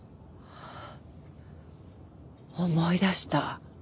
思い出した。